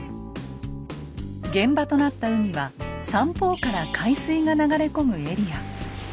現場となった海は三方から海水が流れ込むエリア。